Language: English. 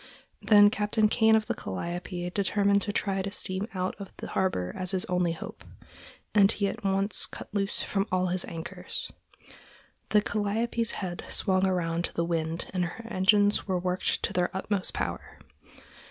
Then Captain Kane of the Calliope determined to try to steam out of the harbor as his only hope, and he at once cut loose from all his anchors. The Calliope's head swung around to the wind and her engines were worked to their utmost power.